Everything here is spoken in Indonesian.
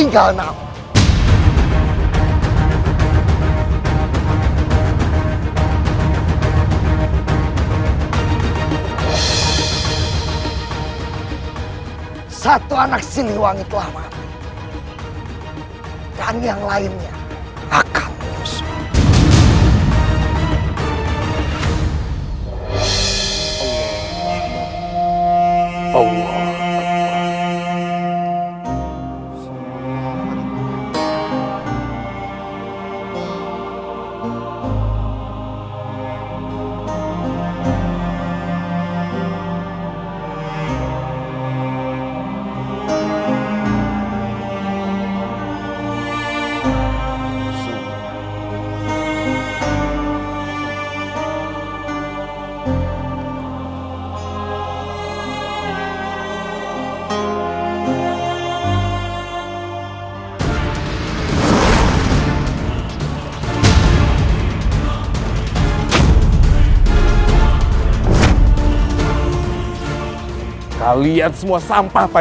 ya allah tolong lindungilah kami semua